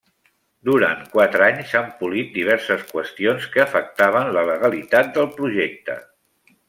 Durant quatre anys s'han polit diverses qüestions que afectaven la legalitat del projecte.